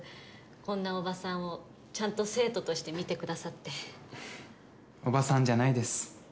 こんなおばさんをちゃんと生徒としておばさんじゃないです。